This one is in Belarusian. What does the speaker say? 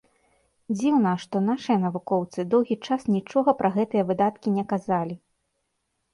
Дзіўна, што нашыя навукоўцы доўгі час нічога пра гэтыя выдаткі не казалі.